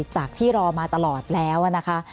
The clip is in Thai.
จากที่รอมาตลอดแล้วนะคะ